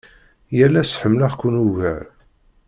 Yal ass ḥemmleɣ-ken ugar.